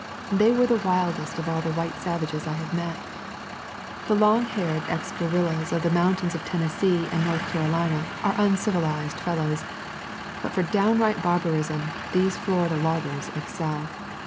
They were the wildest of all the white savages I have met. The long haired ex guerrillas of the mountains of Tennessee and North Carolina are uncivil ized fellows; but for downright barbarism these Florida loggers excel.